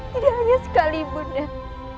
tidak hanya sekali ibu nek